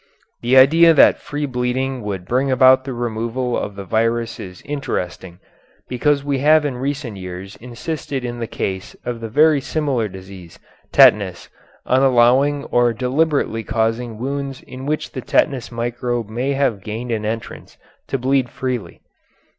The idea that free bleeding would bring about the removal of the virus is interesting, because we have in recent years insisted in the case of the very similar disease, tetanus, on allowing or deliberately causing wounds in which the tetanus microbe may have gained an entrance, to bleed freely.